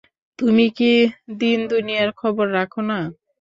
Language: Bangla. তুমি কি দিন-দুনিয়ার খবর রাখো না?